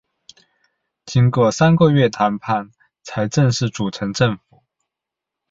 经过三个月谈判才正式组成政府。